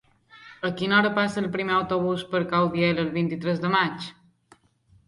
A quina hora passa el primer autobús per Caudiel el vint-i-tres de maig?